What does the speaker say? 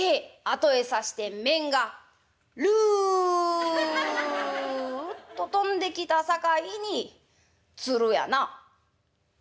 「後へ指して雌がるっと飛んできたさかいにつるや」。